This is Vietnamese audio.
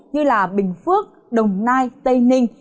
như bình phước đồng nai tây ninh